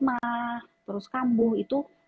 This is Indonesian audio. ma terus kambuh itu